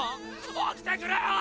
起きてくれよ！